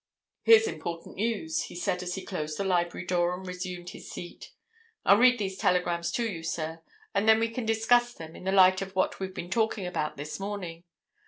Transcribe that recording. "Here's important news," he said as he closed the library door and resumed his seat. "I'll read these telegrams to you, sir, and then we can discuss them in the light of what we've been talking about this morning.